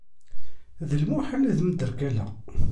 D lmuḥal ad mderkaleɣ.